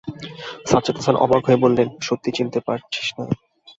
সাজ্জাদ হোসেন অবাক হয়ে বললেন, সত্যি চিনতে পারছিস না?